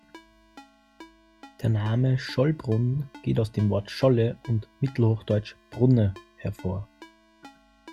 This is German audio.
Der Name Schollbrunn geht aus dem Wort "scholle" und mittelhochdeutsch "brunne" hervor.